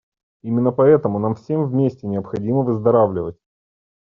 Именно поэтому нам всем вместе необходимо выздоравливать.